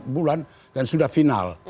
enam bulan dan sudah final